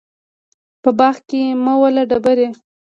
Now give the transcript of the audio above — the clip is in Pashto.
په باغ کې مه وله ډبري